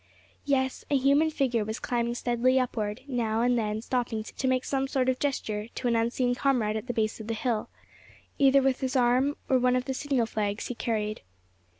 Yes, a human figure was climbing steadily upward, now and then stopping to make some sort of gesture to an unseen comrade at the base of the hill, either with his arm, or one of the signal flags he carried.